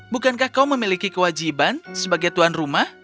bukankah kau memiliki kewajiban sebagai tuan rumah